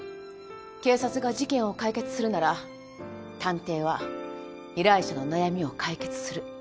警察が事件を解決するなら探偵は依頼者の悩みを解決する。